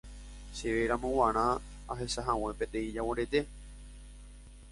Chéveramo g̃uarã ahechahague peteĩ jaguarete